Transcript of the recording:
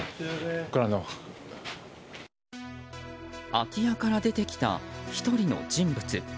空き家から出てきた１人の人物。